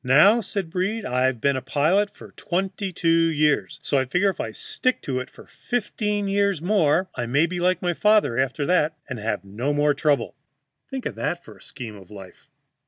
"Now," said Breed, "I've been a pilot for twenty two years, so I figure if I stick to it fifteen years more I may be like my father after that, and have no more trouble." Think of that for a scheme of life!